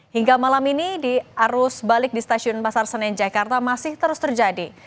hingga malam ini arus balik di stasiun pasar senen jakarta masih terus terjadi